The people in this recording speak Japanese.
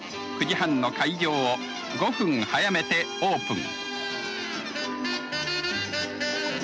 ９時半の開場を５分早めてオープン。